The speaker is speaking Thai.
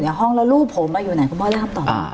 ในห้องแล้วลูกผมอ่ะอยู่ไหนคุณพ่อได้คำตอบอ่า